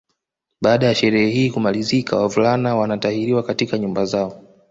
Baada ya sherehe hii kumalizika wavulana wanatahiriwa katika nyumba zao